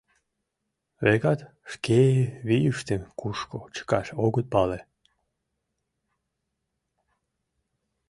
Векат, шке вийыштым кушко чыкаш огыт пале.